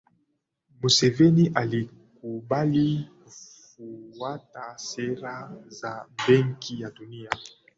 mseveni alikubali kufuata sera za benki ya dunia